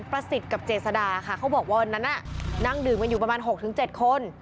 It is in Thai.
ประสิทธิ์กับเจษดาค่ะเขาบอกว่าวันนั้นนั่งดื่มกันอยู่ประมาณ๖๗คน